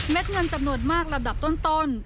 แม่ดเงินจำนวนมากระดับต้น